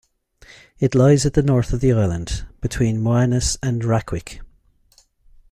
It lies at the north of the island, between Moaness and Rackwick.